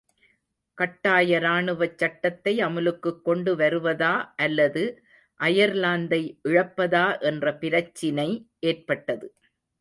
கட்டாய ராணுவச் சட்டத்தை அமுலுக்குக் கொண்டுவருவதா அல்லது அயர்லாந்தை இழப்பதா என்ற பிரச்சினை ஏற்பட்டது.